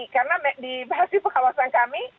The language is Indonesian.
karena di bahasi pekawasan kami